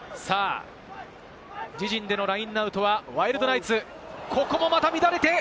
自陣でのラインアウトはワイルドナイツ、ここもまた乱れて。